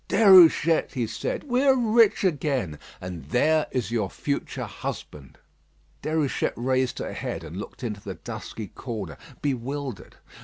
"Déruchette," he said, "we are rich again; and there is your future husband." Déruchette raised her head, and looked into the dusky corner bewildered.